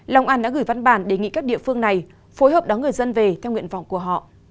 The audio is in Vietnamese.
lòng an đã gửi văn bản đề nghị các địa phương này phối hợp đón người dân về theo nguyện vọng của họ